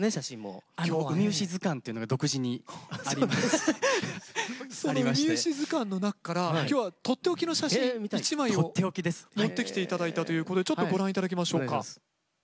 そのウミウシ図鑑の中から今日は取って置きの写真一枚を持ってきて頂いたということでちょっとご覧頂きましょうか。